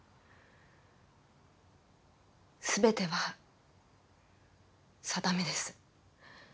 全ては定めです。